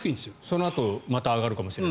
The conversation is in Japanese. そのあとまた上がるかもしれない。